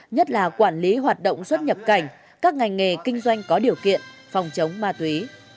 nhất là quản lý hoạt động xuất nhập cảnh các ngành nghề kinh doanh có điều kiện phòng chống ma túy